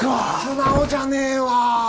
素直じゃねえわ！